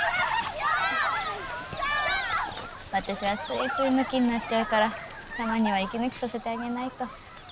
私はついついムキになっちゃうからたまには息抜きさせてあげないと。